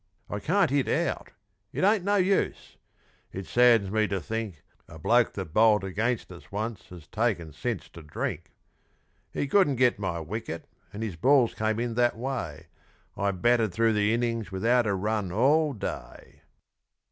I can't hit out it ain't no use; it saddens me to think A bloke that bowled against us once has taken since to drink. He couldn't get my wicket, and his balls came in that way I batted through the innings without a run all day.